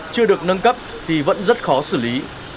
chưa được nâng cấp thì vẫn rất khó xử lý